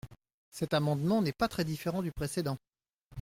Cet amendement n’est pas très différent du précédent.